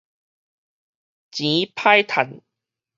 錢歹趁